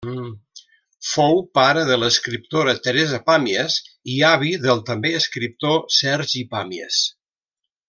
Fou pare de l'escriptora Teresa Pàmies i avi del també escriptor Sergi Pàmies.